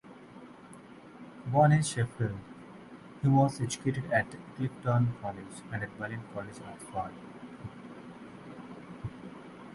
Born in Sheffield, he was educated at Clifton College and at Balliol College, Oxford.